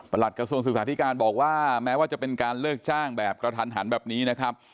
กระทรวงศึกษาธิการบอกว่าแม้ว่าจะเป็นการเลิกจ้างแบบกระทันหันแบบนี้นะครับ